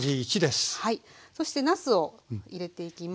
そしてなすを入れていきます。